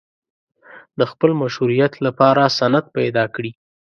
د خپل مشروعیت لپاره سند پیدا کړي.